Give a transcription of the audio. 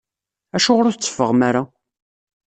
Acuɣer ur tetteffɣem ara?